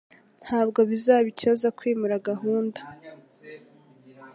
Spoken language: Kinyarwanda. Ntabwo bizaba ikibazo kwimura gahunda.